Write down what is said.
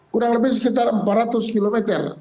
kurang lebih sekitar empat ratus km